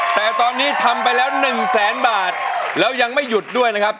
แต่ตอนนี้ทำไปแล้วหนึ่งแสนบาทแล้วยังไม่หยุดด้วยนะครับ